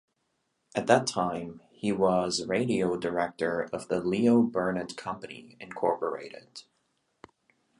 At that time, he was radio director of the Leo Burnett Company, Incorporated.